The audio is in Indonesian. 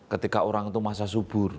ketika orang itu masa sudah berakhir